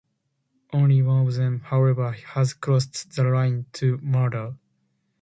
Only one of them, however, has crossed the line to murder.